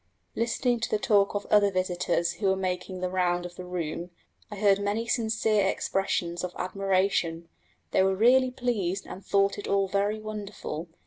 Listening to the talk of other visitors who were making the round of the room, I heard many sincere expressions of admiration: they were really pleased and thought it all very wonderful.